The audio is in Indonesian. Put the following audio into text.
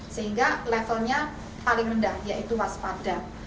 sehingga levelnya paling rendah yaitu waspada